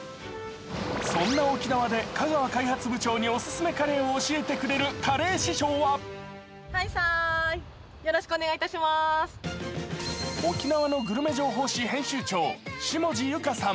そんな沖縄で香川開発部長にオススメを教えてくれるカレー師匠は沖縄のグルメ情報誌編集長、下地友香さん。